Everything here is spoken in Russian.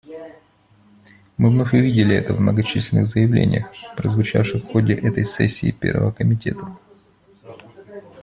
Мы вновь увидели это в многочисленных заявлениях, прозвучавших в ходе этой сессии Первого комитета.